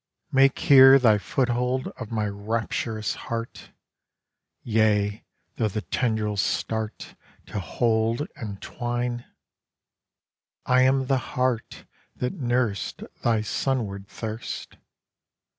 Make here thy foothold of my rapturous heart, Yea, though the tendrils start To hold and twine! I am the heart that nursed Thy sunward thirst.